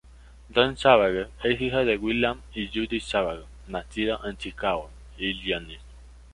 Dan Savage es hijo de William y Judy Savage, nacido en Chicago, Illinois.